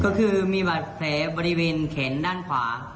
ก็คือมีบาดแผลบริเวณแขนด้านขวา